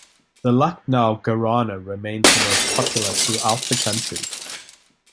The Lucknow gharana remains the most popular throughout the country.